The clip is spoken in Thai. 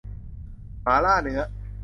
หมาล่าเนื้อ